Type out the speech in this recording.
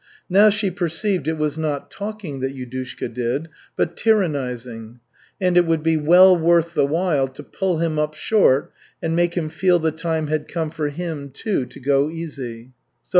Now she perceived it was not talking that Yudushka did, but tyrannizing, and it would be well worth the while to pull him up short and make him feel the time had come for him, too, to go easy.